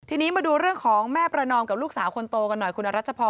ทีนี้มาดูเรื่องของแม่ประนอมกับลูกสาวคนโตกันหน่อยคุณอรัชพร